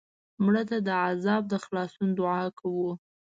مړه ته د عذاب د خلاصون دعا کوو